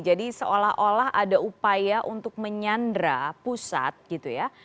jadi seolah olah ada upaya untuk menyandra pusat gitu ya